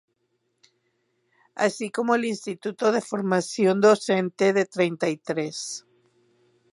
Así como el Instituto de Formación docente de Treinta y Tres.